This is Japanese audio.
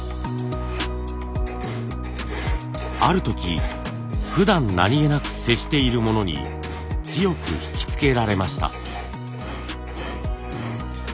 ある時ふだん何気なく接しているものに強くひきつけられました。